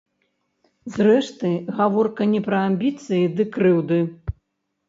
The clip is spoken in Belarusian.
Зрэшты, гаворка не пра амбіцыі ды крыўды.